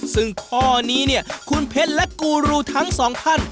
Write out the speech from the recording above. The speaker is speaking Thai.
ซึ่งข้อนี้เนี่ยคุณเพชรและกูรูทั้งสองท่าน